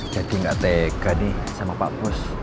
jadi gak tega nih sama pak bos